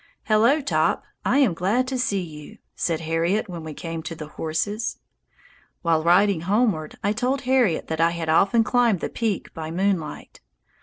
"Hello, Top, I am glad to see you," said Harriet when we came to the horses. While riding homeward I told Harriet that I had often climbed the peak by moonlight.